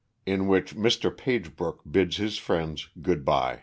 _In which Mr. Pagebrook Bids his Friends Good by.